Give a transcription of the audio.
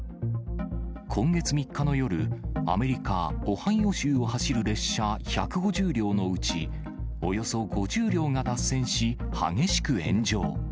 今月３日の夜、アメリカ・オハイオ州を走る列車１５０両のうち、およそ５０両が脱線し、激しく炎上。